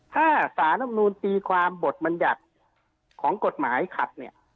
ถ้าสารรับนูลตีความบทบรรยัติของกฎหมายขัดเนี่ย